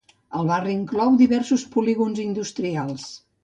El barri inclou diversos polígons industrials.